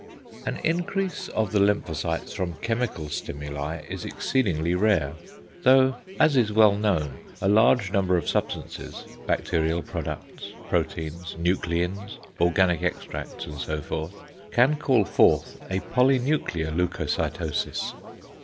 An increase of the lymphocytes from chemical stimuli is exceedingly rare, though, as is well known, a large number of substances (bacterial products, proteins, nucleins, organic extracts, and so forth) can call forth a polynuclear leucocytosis.